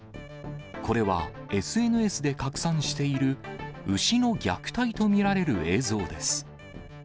これはＳＮＳで拡散している、牛の虐待と見られる映像です。